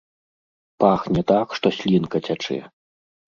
Пахне так, што слінка цячэ!